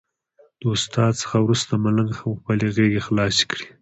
د استاد څخه وروسته ملنګ هم خپلې غېږې خلاصې کړې.